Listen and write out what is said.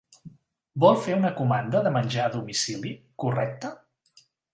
Vol fer una comanda de menjar a domicili, correcte?